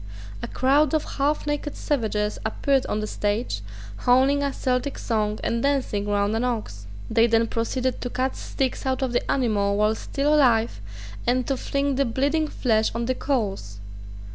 A crowd of half naked savages appeared on the stage, howling a Celtic song and dancing round an ox. They then proceeded to cut steaks out of the animal while still alive and to fling the bleeding flesh on the coals.